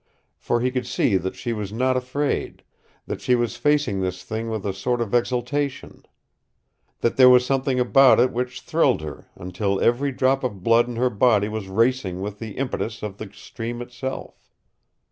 For he could see that she was not afraid, that she was facing this thing with a sort of exultation, that there was something about it which thrilled her until every drop of blood in her body was racing with the impetus of the stream itself.